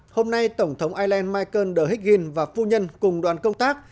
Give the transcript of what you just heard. hôm nay tổng thống ireland michael d higgin và phu nhân cùng đoàn công tác